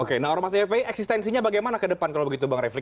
oke nah ormas fpi eksistensinya bagaimana ke depan kalau begitu bang refli